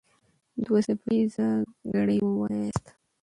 دوه څپه ايزه ګړې وواياست.